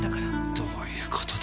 どういう事だ。